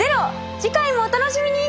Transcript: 次回もお楽しみに！